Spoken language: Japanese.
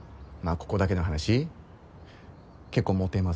ここだけの話結構モテます。